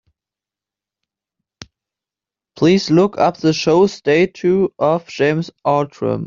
Please look up the show Statue of James Outram.